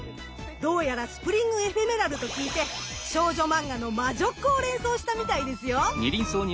どうやらスプリング・エフェメラルと聞いて少女マンガの魔女っ子を連想したみたいですよ！